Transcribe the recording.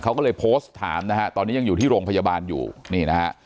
เขาก็เลยโพสต์ถามนะฮะตอนนี้ยังอยู่ที่โรงพยาบาลอยู่นี่นะฮะ